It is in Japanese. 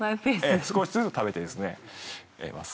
少しずつ食べています。